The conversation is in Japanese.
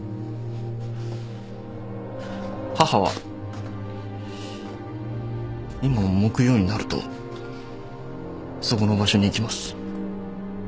母は今も木曜になるとそこの場所に行きます。